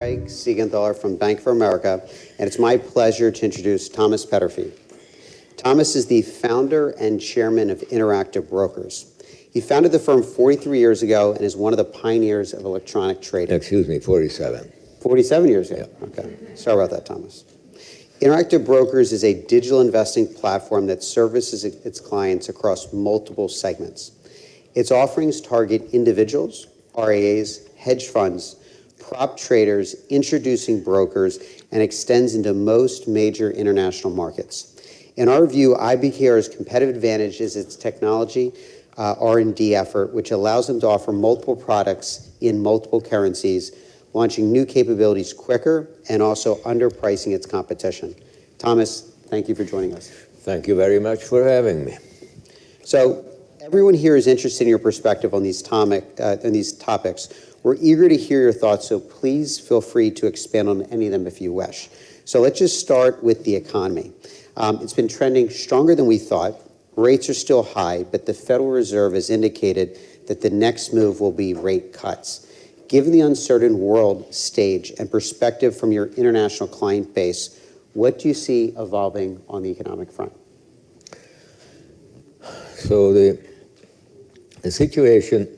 I'm Craig Siegenthaler from Bank of America, and it's my pleasure to introduce Thomas Peterffy. Thomas is the founder and chairman of Interactive Brokers. He founded the firm 43 years ago and is one of the pioneers of electronic trading. Excuse me, 47. 47 years ago? Yeah. Okay. Sorry about that, Thomas. Interactive Brokers is a digital investing platform that services its clients across multiple segments. Its offerings target individuals, RIAs, hedge funds, prop traders, introducing brokers, and extends into most major international markets. In our view, IBKR's competitive advantage is its technology, R&D effort, which allows them to offer multiple products in multiple currencies, launching new capabilities quicker, and also underpricing its competition. Thomas, thank you for joining us. Thank you very much for having me. So everyone here is interested in your perspective on these topics. We're eager to hear your thoughts, so please feel free to expand on any of them if you wish. So let's just start with the economy. It's been trending stronger than we thought. Rates are still high, but the Federal Reserve has indicated that the next move will be rate cuts. Given the uncertain world stage and perspective from your international client base, what do you see evolving on the economic front? The situation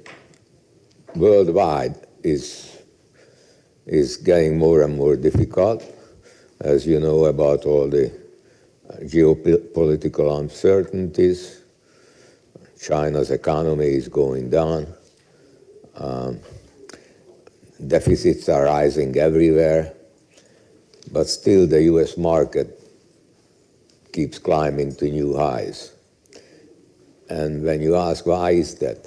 worldwide is getting more and more difficult. As you know about all the geopolitical uncertainties, China's economy is going down, deficits are rising everywhere, but still the U.S. market keeps climbing to new highs. When you ask why is that,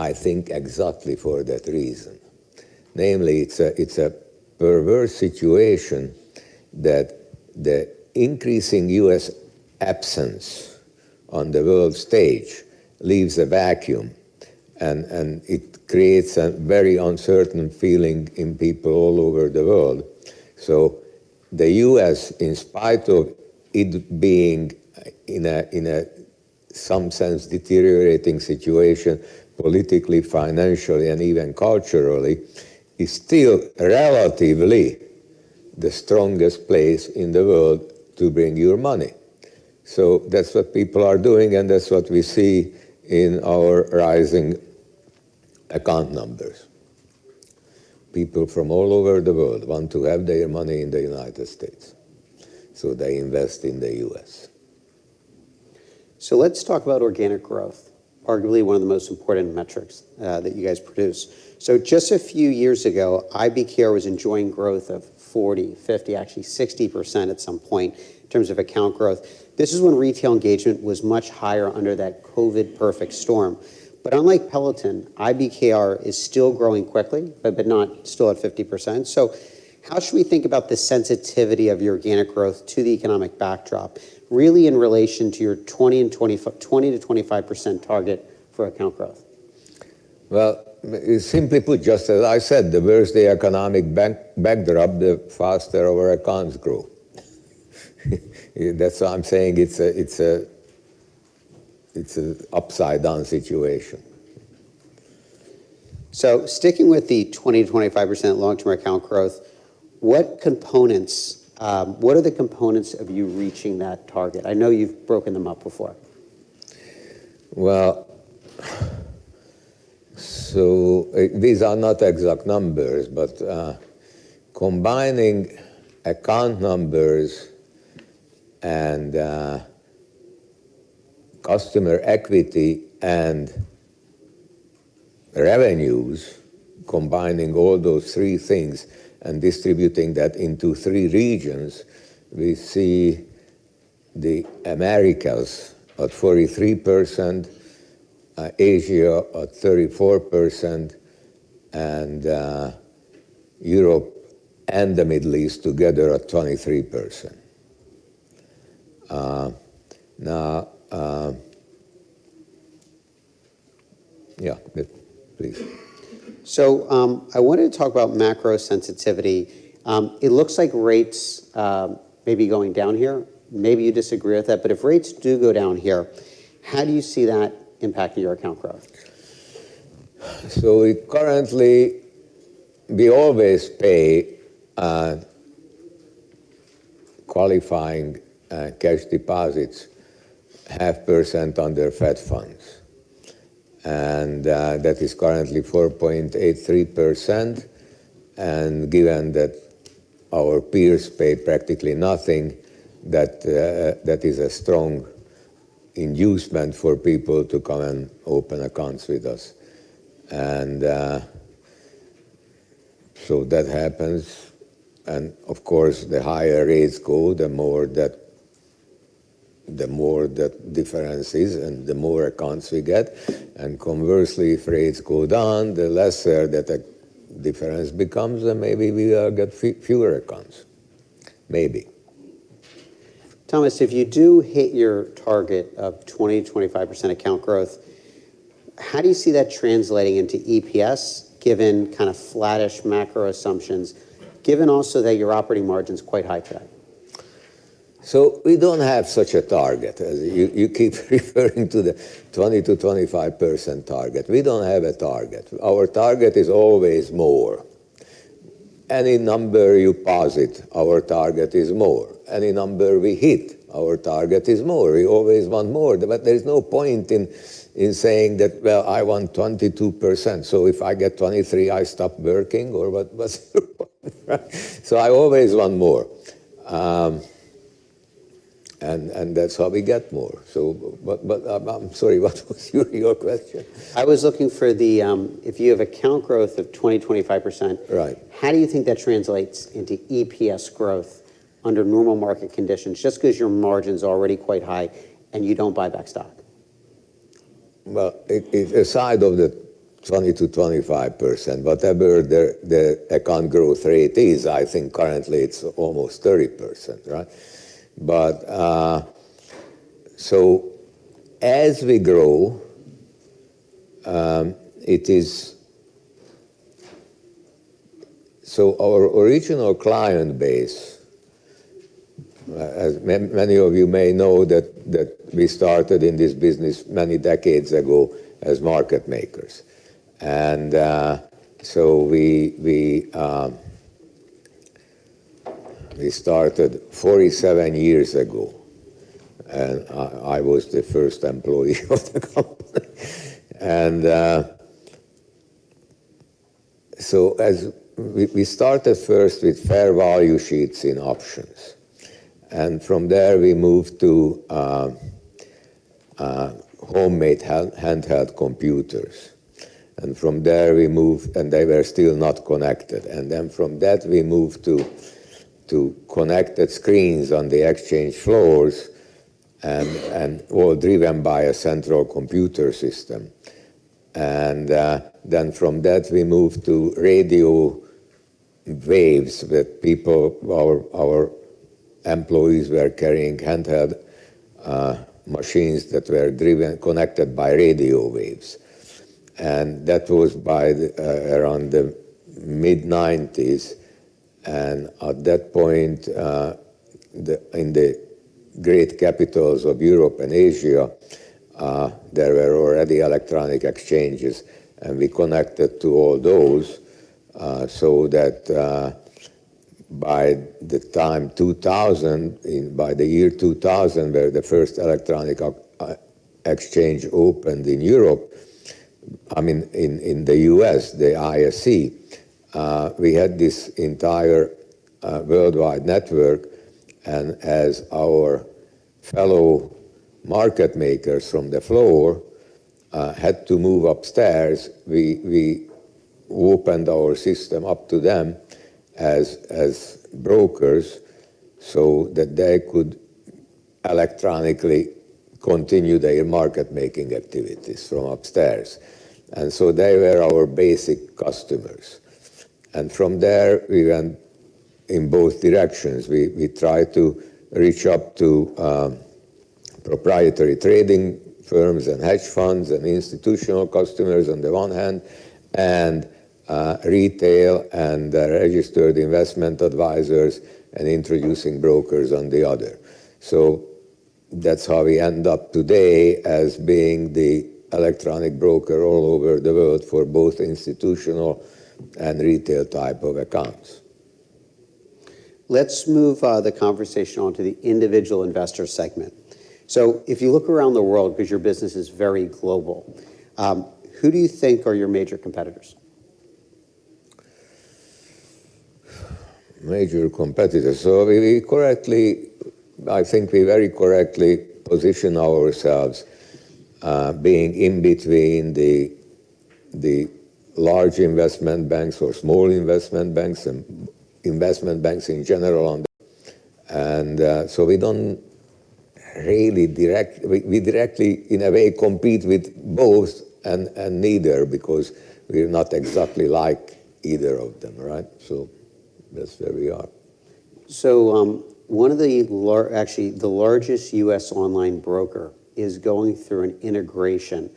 I think exactly for that reason. Namely, it's a perverse situation that the increasing U.S. absence on the world stage leaves a vacuum, and it creates a very uncertain feeling in people all over the world. So the U.S., in spite of it being in some sense deteriorating situation politically, financially, and even culturally, is still relatively the strongest place in the world to bring your money. So that's what people are doing, and that's what we see in our rising account numbers. People from all over the world want to have their money in the United States, so they invest in the U.S. So let's talk about organic growth, arguably one of the most important metrics that you guys produce. So just a few years ago, IBKR was enjoying growth of 40%, 50%, actually 60% at some point in terms of account growth. This is when retail engagement was much higher under that COVID-perfect storm. But unlike Peloton, IBKR is still growing quickly, but not still at 50%. So how should we think about the sensitivity of your organic growth to the economic backdrop, really in relation to your 20%-25% target for account growth? Well, simply put, just as I said, the worse the economic bank bankrupt, the faster our accounts grow. That's why I'm saying it's an upside-down situation. So sticking with the 20%-25% long-term account growth, what are the components of you reaching that target? I know you've broken them up before. Well, so these are not exact numbers, but combining account numbers and customer equity and revenues, combining all those three things and distributing that into three regions, we see the Americas at 43%, Asia at 34%, and Europe and the Middle East together at 23%. Now, yeah, please. I wanted to talk about macro sensitivity. It looks like rates may be going down here. Maybe you disagree with that, but if rates do go down here, how do you see that impacting your account growth? Currently, we always pay qualifying cash deposits 0.5% on their Fed Funds, and that is currently 4.83%. Given that our peers pay practically nothing, that is a strong inducement for people to come and open accounts with us. So that happens. Of course, the higher rates go, the more that the more that difference is and the more accounts we get. Conversely, if rates go down, the lesser that difference becomes, and maybe we will get fewer accounts. Maybe. Thomas, if you do hit your target of 20%-25% account growth, how do you see that translating into EPS, given kind of flat-ish macro assumptions, given also that your operating margin's quite high today? So we don't have such a target. You keep referring to the 20%-25% target. We don't have a target. Our target is always more. Any number you posit, our target is more. Any number we hit, our target is more. We always want more. But there's no point in saying that, well, I want 22%. So if I get 23, I stop working or what? So I always want more. And that's how we get more. So but I'm sorry, what was your question? I was looking for, if you have account growth of 20%-25%, how do you think that translates into EPS growth under normal market conditions, just because your margin's already quite high and you don't buy back stock? Well, aside from the 20%-25%, whatever the account growth rate is, I think currently it's almost 30%, right? But as we grow, our original client base, as many of you may know, that we started in this business many decades ago as market makers. We started 47 years ago, and I was the first employee of the company. We started first with fair value sheets in options, and from there we moved to homemade handheld computers. And from there we moved, and they were still not connected. Then from that, we moved to connected screens on the exchange floors and all driven by a central computer system. Then from that, we moved to radio waves that people, our employees, were carrying handheld machines that were driven, connected by radio waves. And that was by around the mid-1990s. At that point, in the great capitals of Europe and Asia, there were already electronic exchanges, and we connected to all those so that by the time 2000, by the year 2000, when the first electronic exchange opened in the U.S., I mean, the ISE, we had this entire worldwide network. As our fellow market makers from the floor had to move upstairs, we opened our system up to them as brokers so that they could electronically continue their market-making activities from upstairs. So they were our basic customers. From there, we went in both directions. We tried to reach up to proprietary trading firms and hedge funds and institutional customers on the one hand, and retail and registered investment advisors and introducing brokers on the other. That's how we end up today as being the electronic broker all over the world for both institutional and retail type of accounts. Let's move the conversation on to the individual investor segment. So if you look around the world, because your business is very global, who do you think are your major competitors? Major competitors. So we correctly, I think we very correctly position ourselves being in between the large investment banks or small investment banks and investment banks in general. And so we don't really directly, in a way, compete with both and neither because we're not exactly like either of them, right? So that's where we are. So one of the, actually, the largest U.S. online broker is going through an integration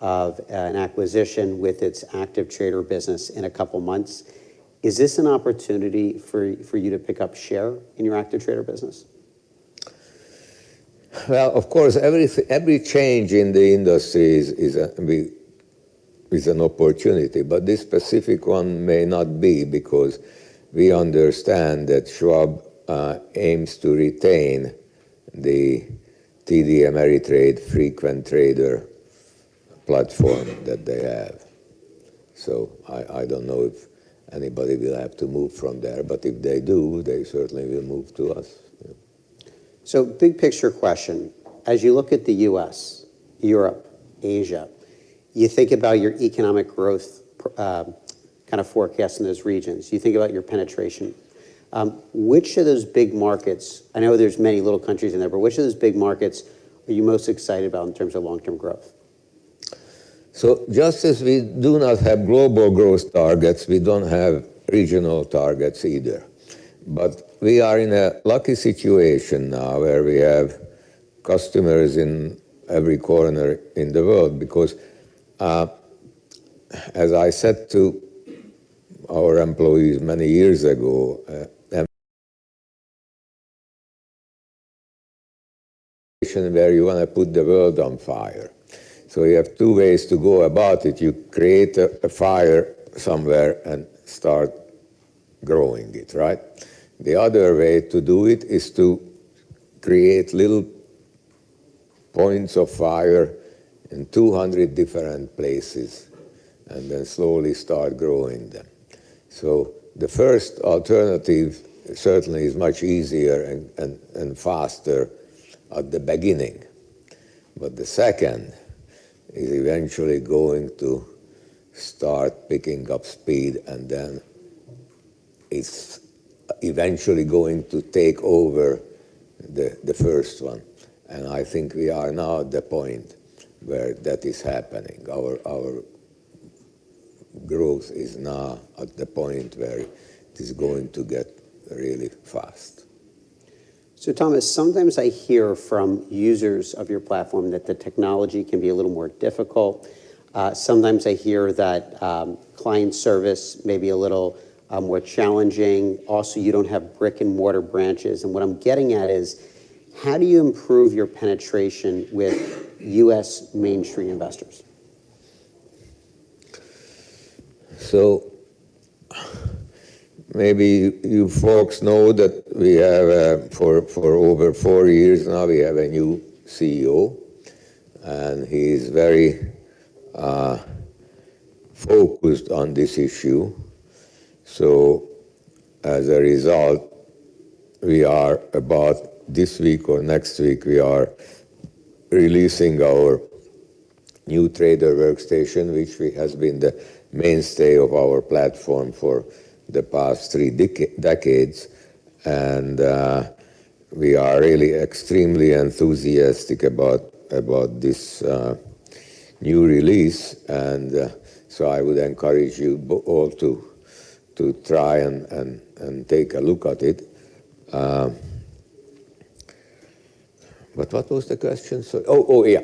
of an acquisition with its active trader business in a couple of months. Is this an opportunity for you to pick up share in your active trader business? Well, of course, every change in the industry is an opportunity, but this specific one may not be because we understand that Schwab aims to retain the TD Ameritrade frequent trader platform that they have. So I don't know if anybody will have to move from there, but if they do, they certainly will move to us. So big picture question. As you look at the U.S., Europe, Asia, you think about your economic growth kind of forecast in those regions. You think about your penetration. Which of those big markets I know there's many little countries in there, but which of those big markets are you most excited about in terms of long-term growth? So just as we do not have global growth targets, we don't have regional targets either. But we are in a lucky situation now where we have customers in every corner in the world because, as I said to our employees many years ago, where you want to put the world on fire. So you have two ways to go about it. You create a fire somewhere and start growing it, right? The other way to do it is to create little points of fire in 200 different places and then slowly start growing them. So the first alternative certainly is much easier and faster at the beginning. But the second is eventually going to start picking up speed, and then it's eventually going to take over the first one. And I think we are now at the point where that is happening. Our growth is now at the point where it is going to get really fast. Thomas, sometimes I hear from users of your platform that the technology can be a little more difficult. Sometimes I hear that client service may be a little more challenging. Also, you don't have brick-and-mortar branches. And what I'm getting at is, how do you improve your penetration with U.S. mainstream investors? So maybe you folks know that we have for over four years now, we have a new CEO, and he is very focused on this issue. So as a result, we are about this week or next week, we are releasing our new Trader Workstation, which has been the mainstay of our platform for the past three decades. And we are really extremely enthusiastic about this new release. And so I would encourage you all to try and take a look at it. But what was the question? So oh, yeah.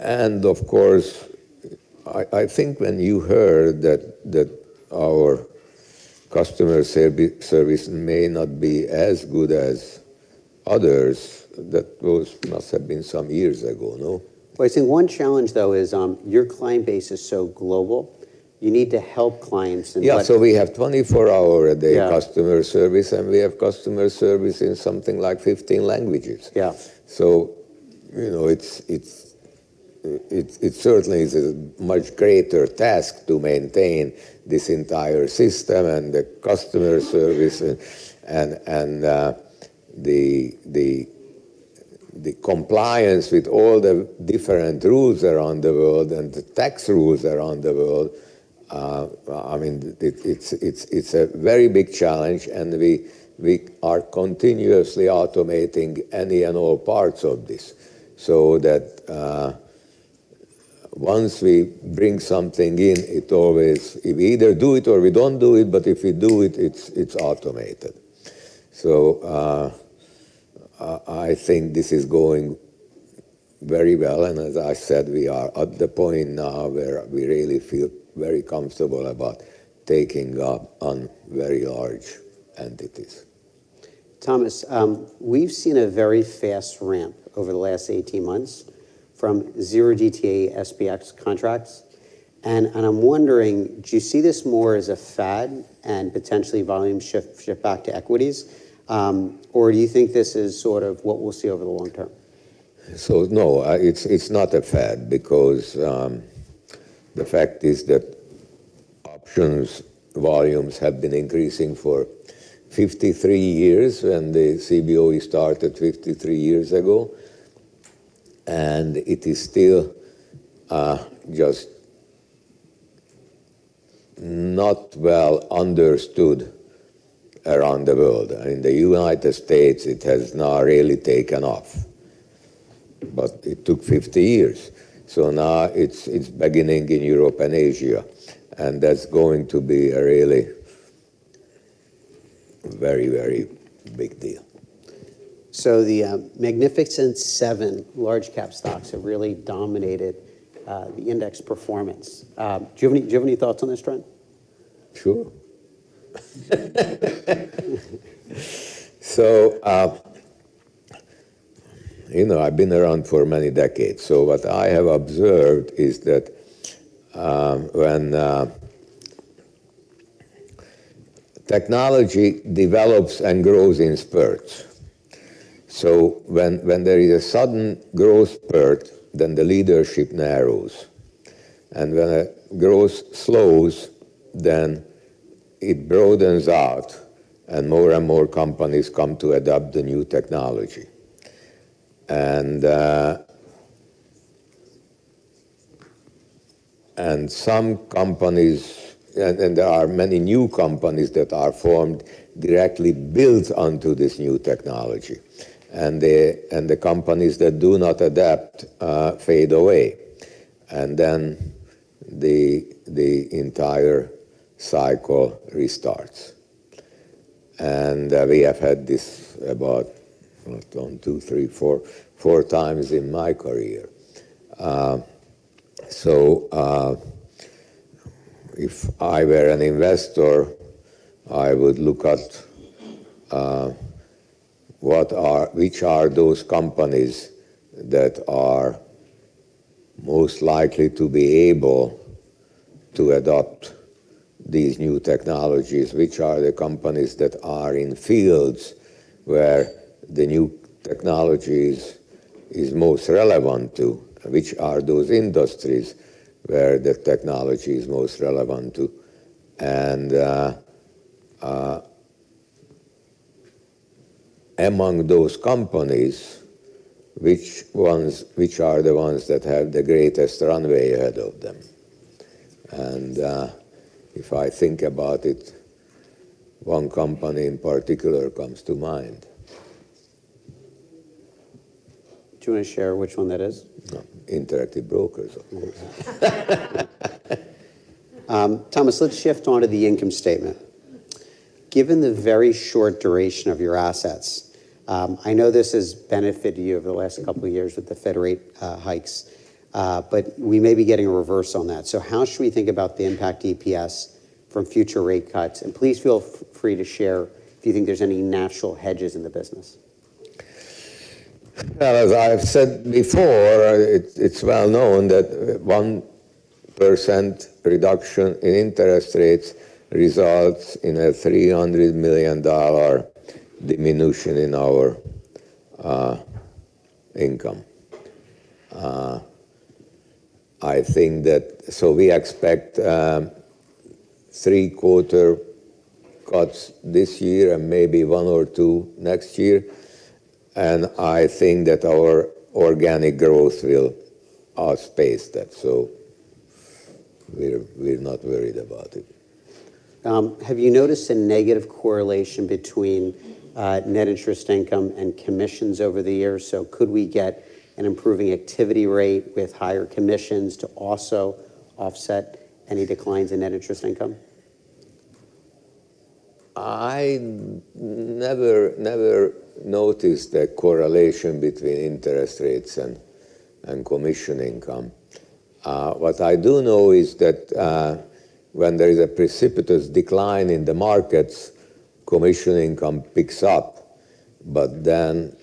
And of course, I think when you heard that our customer service may not be as good as others, that must have been some years ago, no? Well, I see one challenge, though, is your client base is so global. You need to help clients in. Yeah. So we have 24-hour-a-day customer service, and we have customer service in something like 15 languages. Yeah. So it certainly is a much greater task to maintain this entire system and the customer service and the compliance with all the different rules around the world and the tax rules around the world. I mean, it's a very big challenge, and we are continuously automating any and all parts of this so that once we bring something in, it always we either do it or we don't do it, but if we do it, it's automated. So I think this is going very well. And as I said, we are at the point now where we really feel very comfortable about taking up on very large entities. Thomas, we've seen a very fast ramp over the last 18 months from zero GTA SPX contracts. And I'm wondering, do you see this more as a fad and potentially volume shift back to equities, or do you think this is sort of what we'll see over the long term? No, it's not a fad because the fact is that options volumes have been increasing for 53 years, and the CBOE started 53 years ago. It is still just not well understood around the world. In the United States, it has now really taken off, but it took 50 years. Now it's beginning in Europe and Asia, and that's going to be a really very, very big deal. So the Magnificent Seven large-cap stocks have really dominated the index performance. Do you have any thoughts on this trend? Sure. So you know I've been around for many decades. So what I have observed is that when technology develops and grows in spurts, so when there is a sudden growth spurt, then the leadership narrows. And when growth slows, then it broadens out, and more and more companies come to adopt the new technology. And some companies and there are many new companies that are formed directly built onto this new technology. And the companies that do not adapt fade away, and then the entire cycle restarts. And we have had this about, I don't know, one, two, three four times in my career. If I were an investor, I would look at which are those companies that are most likely to be able to adopt these new technologies, which are the companies that are in fields where the new technology is most relevant to, which are those industries where the technology is most relevant to. Among those companies, which are the ones that have the greatest runway ahead of them? If I think about it, one company in particular comes to mind. Do you want to share which one that is? Interactive Brokers, of course. Thomas, let's shift on to the income statement. Given the very short duration of your assets, I know this has benefited you over the last couple of years with the Fed rate hikes, but we may be getting a reverse on that. So how should we think about the impact EPS from future rate cuts? And please feel free to share if you think there's any natural hedges in the business. As I've said before, it's well known that 1% reduction in interest rates results in a $300 million diminution in our income. I think that. So we expect three-quarter cuts this year and maybe one or two next year. I think that our organic growth will outpace that. So we're not worried about it. Have you noticed a negative correlation between net interest income and commissions over the years? So could we get an improving activity rate with higher commissions to also offset any declines in net interest income? I never noticed a correlation between interest rates and commission income. What I do know is that when there is a precipitous decline in the markets, commission income picks up. But then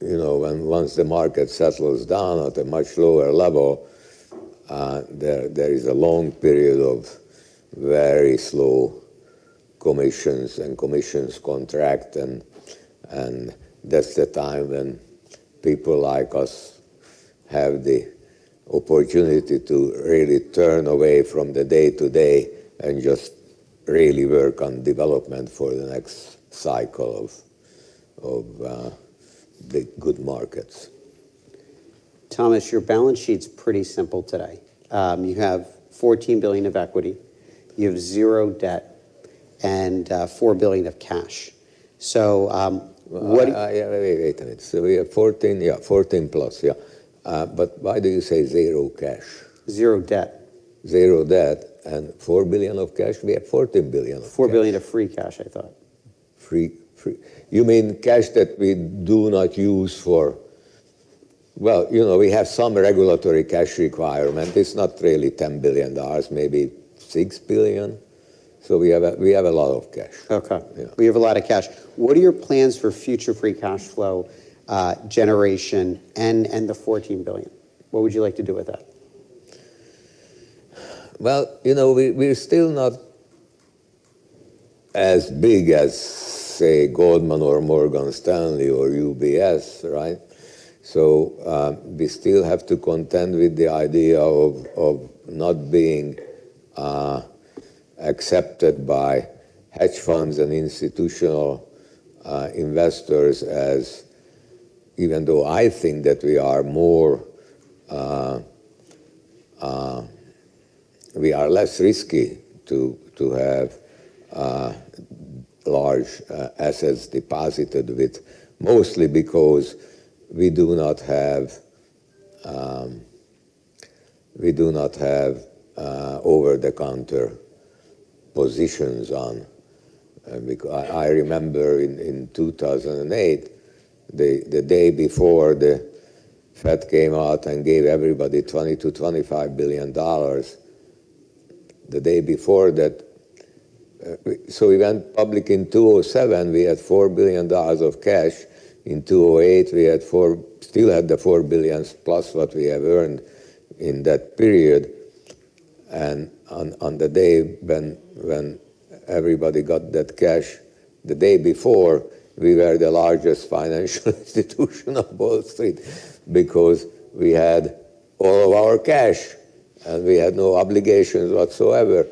once the market settles down at a much lower level, there is a long period of very slow commissions, and commissions contract. And that's the time when people like us have the opportunity to really turn away from the day-to-day and just really work on development for the next cycle of the good markets. Thomas, your balance sheet's pretty simple today. You have $14 billion of equity. You have zero debt and $4 billion of cash. So what. Wait a minute. So we have $14 yeah, $14+. Yeah. But why do you say zero cash? Zero debt. Zero debt and $4 billion of cash? We have $14 billion of cash. $4 billion of free cash, I thought. Free. You mean cash that we do not use for, well, you know, we have some regulatory cash requirement. It's not really $10 billion, maybe $6 billion. So we have a lot of cash. Okay. We have a lot of cash. What are your plans for future free cash flow generation and the $14 billion? What would you like to do with that? Well, you know we're still not as big as, say, Goldman Sachs or Morgan Stanley or UBS, right? So we still have to contend with the idea of not being accepted by hedge funds and institutional investors as even though I think that we are more we are less risky to have large assets deposited with mostly because we do not have over-the-counter positions on. I remember in 2008, the day before the Fed came out and gave everybody $20 billion-$25 billion the day before that so we went public in 2007. We had $4 billion of cash. In 2008, we still had the $4 billion plus what we have earned in that period. And on the day when everybody got that cash the day before, we were the largest financial institution on Wall Street because we had all of our cash, and we had no obligations whatsoever.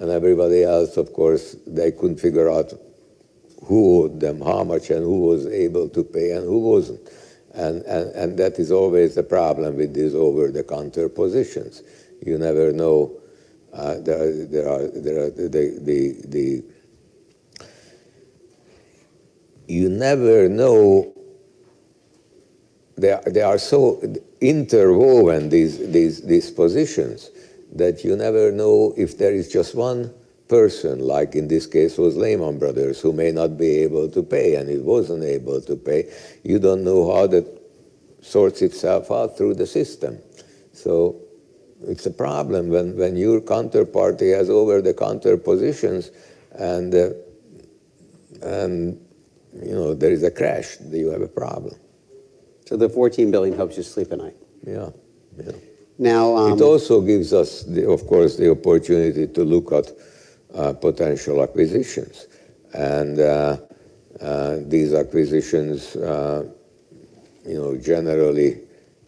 Everybody else, of course, they couldn't figure out who owed them how much and who was able to pay and who wasn't. And that is always the problem with these over-the-counter positions. You never know. You never know. They are so interwoven, these positions, that you never know if there is just one person, like in this case was Lehman Brothers, who may not be able to pay, and it wasn't able to pay. You don't know how that sorts itself out through the system. So it's a problem when your counterparty has over-the-counter positions, and there is a crash, you have a problem. The $14 billion helps you sleep at night. Yeah. Yeah. It also gives us, of course, the opportunity to look at potential acquisitions. These acquisitions generally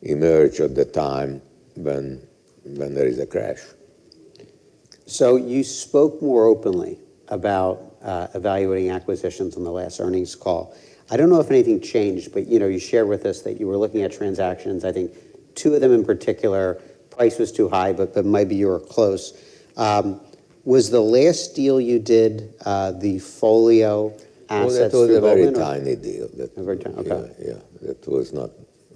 emerge at the time when there is a crash. So you spoke more openly about evaluating acquisitions on the last earnings call. I don't know if anything changed, but you shared with us that you were looking at transactions. I think two of them in particular, price was too high, but maybe you were close. Was the last deal you did the Folio assets involvement? Well, that was a very tiny deal. A very tiny. Okay. Yeah. Yeah. That was not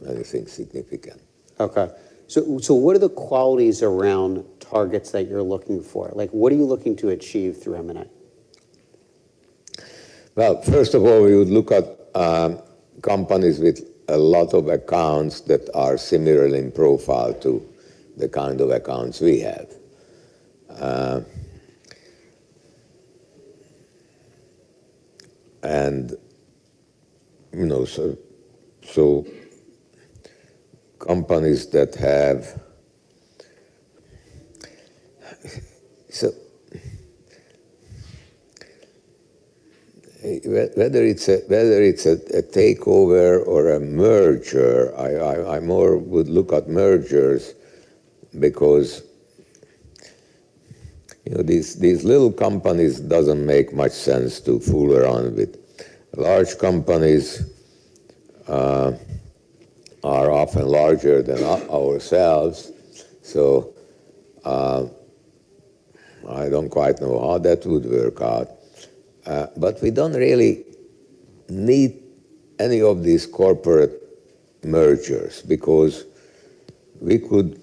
anything significant. Okay. So what are the qualities around targets that you're looking for? What are you looking to achieve through M&A? Well, first of all, we would look at companies with a lot of accounts that are similarly in profile to the kind of accounts we have. And so companies that have whether it's a takeover or a merger, I more would look at mergers because these little companies don't make much sense to fool around with. Large companies are often larger than ourselves, so I don't quite know how that would work out. But we don't really need any of these corporate mergers because we could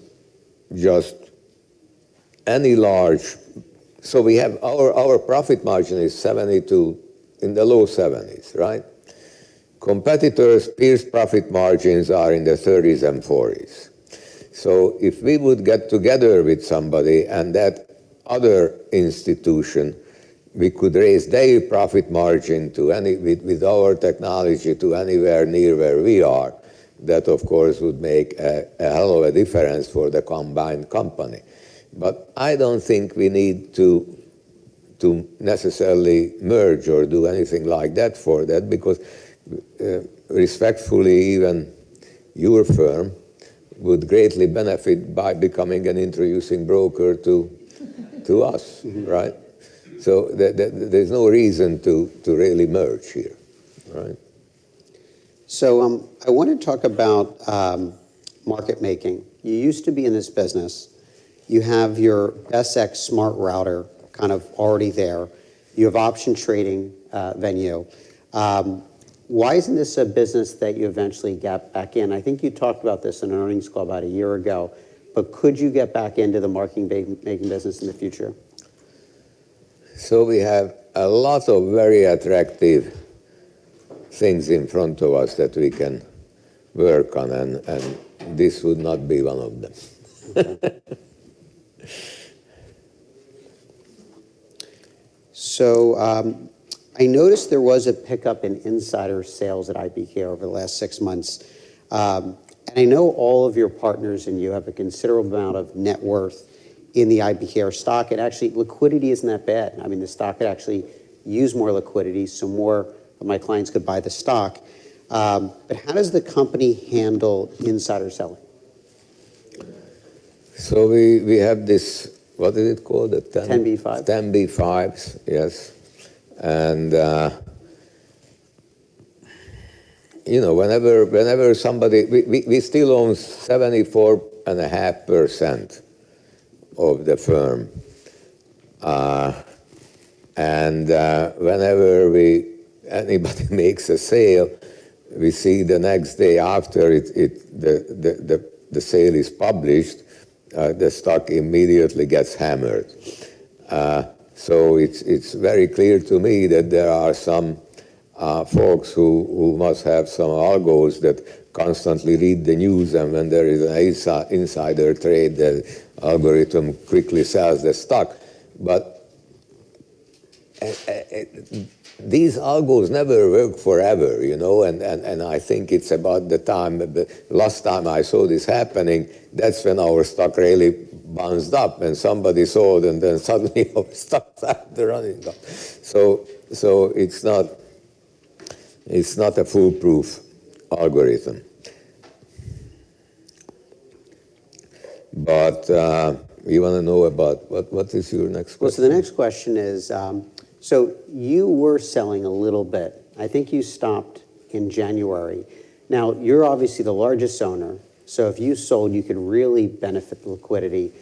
just any large so we have our profit margin is 70 to in the low 70s, right? Competitors' peers' profit margins are in the 30s and 40s. So if we would get together with somebody and that other institution, we could raise their profit margin with our technology to anywhere near where we are. That, of course, would make a hell of a difference for the combined company. But I don't think we need to necessarily merge or do anything like that for that because respectfully, even your firm would greatly benefit by becoming an introducing broker to us, right? So there's no reason to really merge here, right? So I want to talk about market making. You used to be in this business. You have your SX Smart Router kind of already there. You have option trading venue. Why isn't this a business that you eventually got back in? I think you talked about this in an earnings call about a year ago, but could you get back into the market making business in the future? We have a lot of very attractive things in front of us that we can work on, and this would not be one of them. So I noticed there was a pickup in insider sales at IBKR over the last six months. And I know all of your partners and you have a considerable amount of net worth in the IBKR stock. And actually, liquidity isn't that bad. I mean, the stock could actually use more liquidity so more of my clients could buy the stock. But how does the company handle insider selling? So we have this, what is it called? The 10b5-1. 10B5. 10b5-1s, yes. And you know whenever somebody we still own 74.5% of the firm. And whenever anybody makes a sale, we see the next day after the sale is published, the stock immediately gets hammered. So it's very clear to me that there are some folks who must have some algos that constantly read the news. And when there is an insider trade, the algorithm quickly sells the stock. But these algos never work forever, you know? And I think it's about the time last time I saw this happening, that's when our stock really bounced up, and somebody sold, and then suddenly our stock started running up. So it's not a foolproof algorithm. But you want to know about what is your next question? Well, so the next question is so you were selling a little bit. I think you stopped in January. Now, you're obviously the largest owner. So if you sold, you could really benefit liquidity.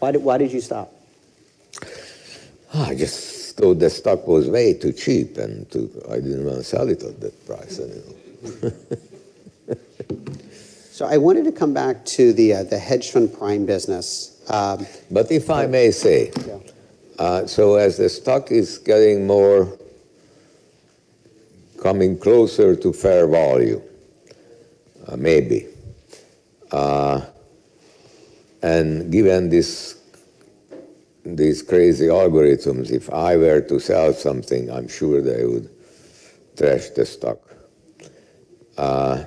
Why did you stop? I just thought the stock was way too cheap, and I didn't want to sell it at that price. I wanted to come back to the hedge fund prime business. But if I may say, so as the stock is getting more coming closer to fair value, maybe, and given these crazy algorithms, if I were to sell something, I'm sure they would trash the stock.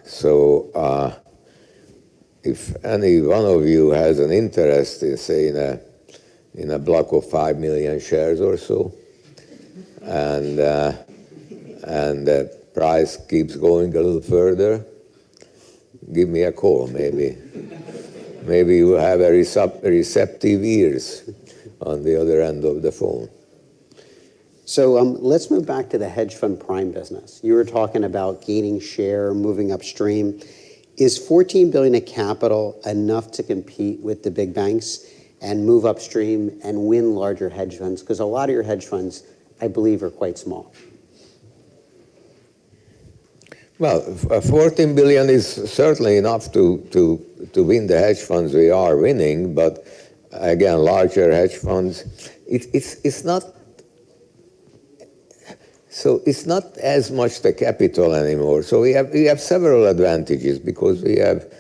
So if any one of you has an interest in, say, in a block of 5 million shares or so, and the price keeps going a little further, give me a call, maybe. Maybe you have receptive ears on the other end of the phone. So let's move back to the hedge fund prime business. You were talking about gaining share, moving upstream. Is $14 billion of capital enough to compete with the big banks and move upstream and win larger hedge funds? Because a lot of your hedge funds, I believe, are quite small. Well, $14 billion is certainly enough to win the hedge funds we are winning. But again, larger hedge funds, so it's not as much the capital anymore. So we have several advantages because we have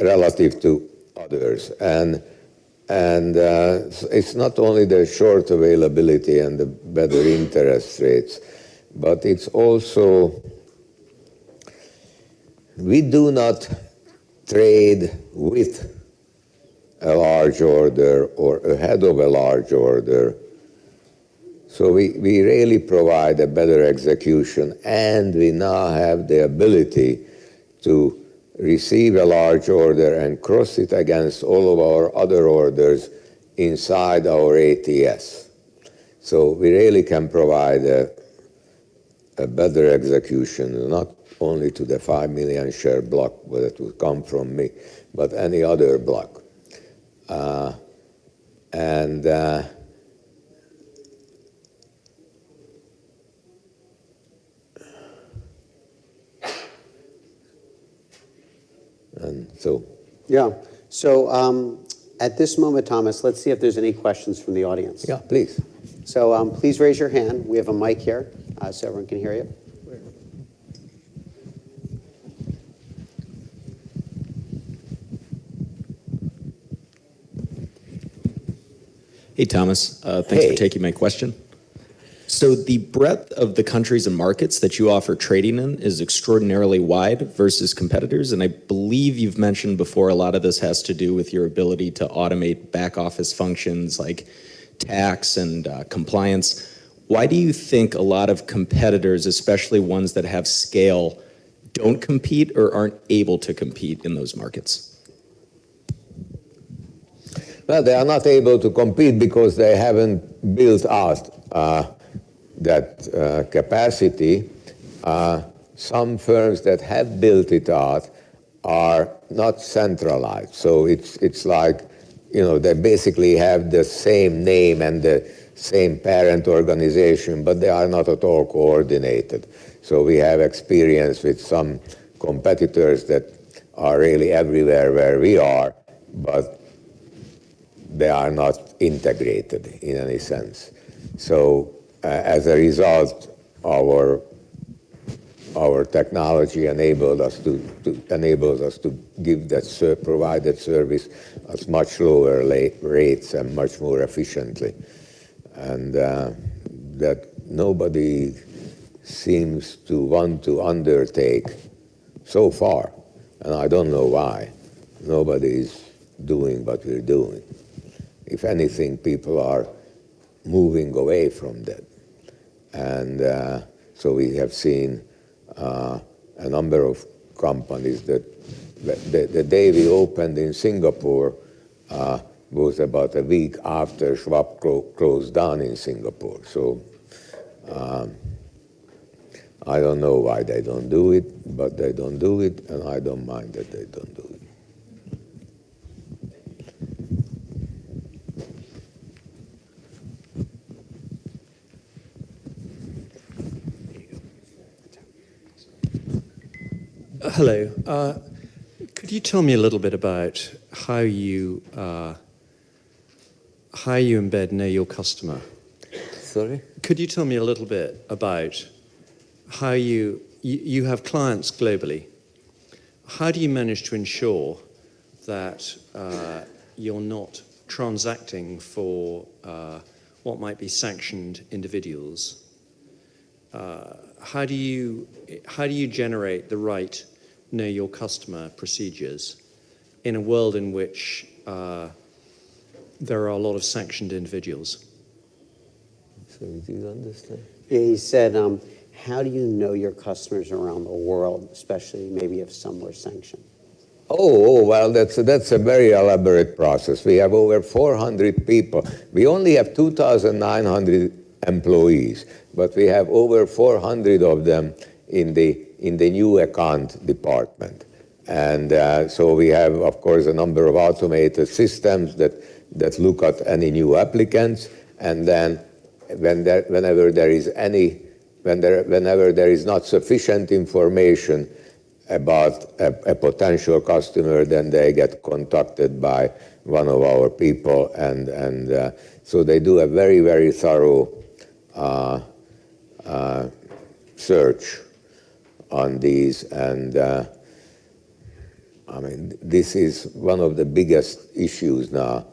relative to others. And it's not only the short availability and the better interest rates, but it's also we do not trade with a large order or ahead of a large order. So we really provide a better execution. And we now have the ability to receive a large order and cross it against all of our other orders inside our ATS. So we really can provide a better execution, not only to the 5 million share block, whether it would come from me, but any other block. And so. Yeah. So at this moment, Thomas, let's see if there's any questions from the audience. Yeah, please. Please raise your hand. We have a mic here so everyone can hear you. Hey, Thomas. Thanks for taking my question. So the breadth of the countries and markets that you offer trading in is extraordinarily wide versus competitors. And I believe you've mentioned before a lot of this has to do with your ability to automate back-office functions like tax and compliance. Why do you think a lot of competitors, especially ones that have scale, don't compete or aren't able to compete in those markets? Well, they are not able to compete because they haven't built out that capacity. Some firms that have built it out are not centralized. It's like they basically have the same name and the same parent organization, but they are not at all coordinated. We have experience with some competitors that are really everywhere where we are, but they are not integrated in any sense. As a result, our technology enables us to give that provided service at much lower rates and much more efficiently. That nobody seems to want to undertake so far. I don't know why. Nobody is doing what we're doing. If anything, people are moving away from that. We have seen a number of companies that the day we opened in Singapore was about a week after Schwab closed down in Singapore. I don't know why they don't do it, but they don't do it, and I don't mind that they don't do it. Hello. Could you tell me a little bit about how you embed Know Your Customer? Sorry? Could you tell me a little bit about how you have clients globally? How do you manage to ensure that you're not transacting for what might be sanctioned individuals? How do you generate the right Know Your Customer procedures in a world in which there are a lot of sanctioned individuals? So you do understand? He said, "How do you know your customers around the world, especially maybe if some were sanctioned? Oh, well, that's a very elaborate process. We have over 400 people. We only have 2,900 employees, but we have over 400 of them in the new account department. And so we have, of course, a number of automated systems that look at any new applicants. And then whenever there is not sufficient information about a potential customer, then they get contacted by one of our people. And so they do a very, very thorough search on these. And I mean, this is one of the biggest issues now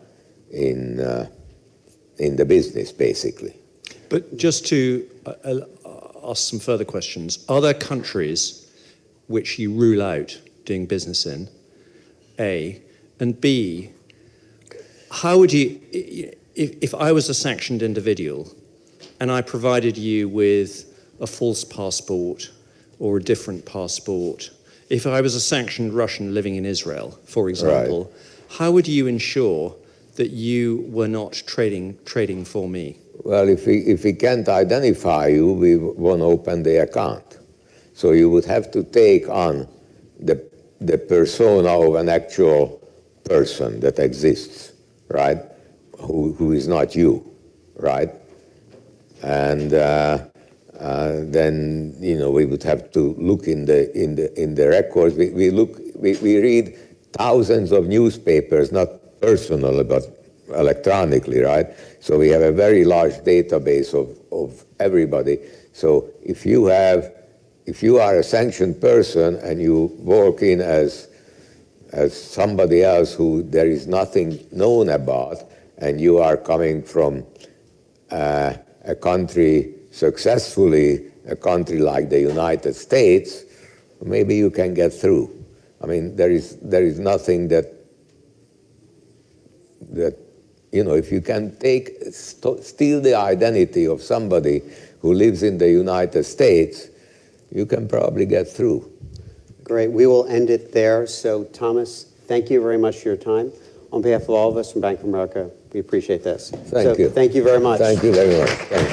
in the business, basically. But just to ask some further questions, are there countries which you rule out doing business in, A? And B, how would you if I was a sanctioned individual and I provided you with a false passport or a different passport, if I was a sanctioned Russian living in Israel, for example, how would you ensure that you were not trading for me? Well, if we can't identify you, we won't open the account. So you would have to take on the persona of an actual person that exists, right, who is not you, right? And then we would have to look in the records. We read thousands of newspapers, not personally, but electronically, right? So we have a very large database of everybody. So if you are a sanctioned person and you walk in as somebody else who there is nothing known about, and you are coming from a country successfully, a country like the United States, maybe you can get through. I mean, there is nothing that if you can steal the identity of somebody who lives in the United States, you can probably get through. Great. We will end it there. So Thomas, thank you very much for your time. On behalf of all of us from Bank of America, we appreciate this. Thank you. Thank you very much. Thank you very much.